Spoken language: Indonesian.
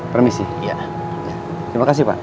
permisi terima kasih pak